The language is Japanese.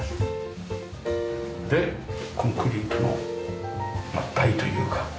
でコンクリートの台というか。